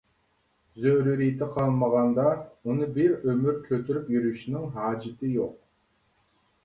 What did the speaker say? زۆرۈرىيىتى قالمىغاندا ئۇنى بىر ئۆمۈر كۆتۈرۈپ يۈرۈشنىڭ ھاجىتى يوق.